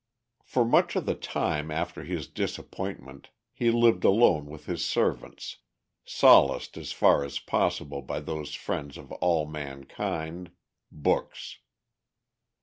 For much of the time after his disappointment, he lived alone with his servants, solaced as far as possible by those friends of all mankind books.